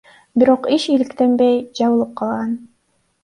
Бирок иш иликтенбей, жабылып калган.